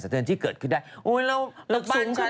สนับสนุนโดยดีที่สุดคือการให้ไม่สิ้นสุด